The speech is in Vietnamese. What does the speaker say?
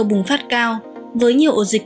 bùng phát cao với nhiều dịch